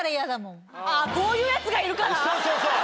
そうそうそう。